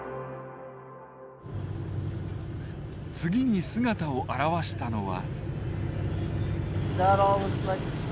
次に姿を現したのは。